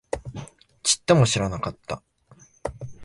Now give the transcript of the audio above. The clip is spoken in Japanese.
ちっとも知らなかった